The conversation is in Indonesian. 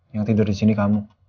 yang tidur disini kamu